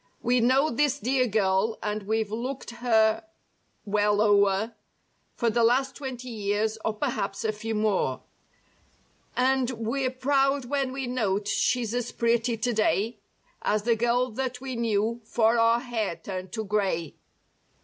m ^ m We know this dear girl and we've looked her well o'er For the last twenty years, or perhaps a few more; And we're proud when we note she's as pretty today As the girl that we knew 'fore our hair turned to grey.